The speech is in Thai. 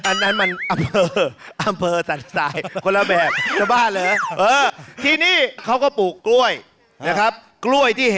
อันนั้นมันอำเภออำเภอสะใส